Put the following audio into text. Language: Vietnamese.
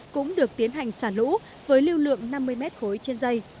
cũng được tiến hành xả lũ với lưu lượng năm mươi mét khối trên dây